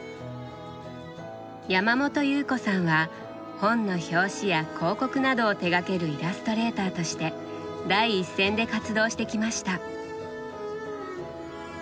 山本祐布子さんは本の表紙や広告などを手がけるイラストレーターとして第一線で活動してきました。